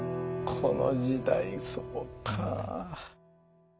この時代そうか。